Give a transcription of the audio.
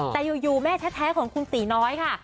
แต่อยู่แม่แท้ของคุณตีน้อยค่ะ